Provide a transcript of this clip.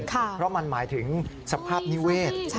เพราะมันหมายถึงสภาพนิเวศ